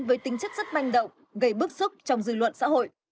với tính chất rất manh động gây bức xúc trong dư luận xã hội